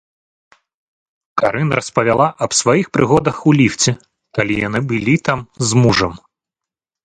Карын распавяла аб сваіх прыгодах у ліфце, калі яны былі там з мужам.